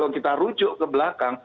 kita rujuk ke belakang